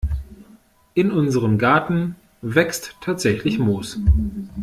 In unserem Garten wächst tatsächlich Moos.